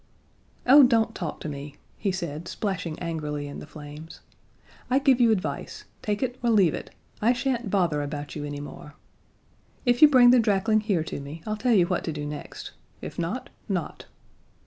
"Oh, don't talk to me!" he said, splashing angrily in the flames. "I give you advice; take it or leave it I shan't bother about you anymore. If you bring the drakling here to me, I'll tell you what to do next. If not, not."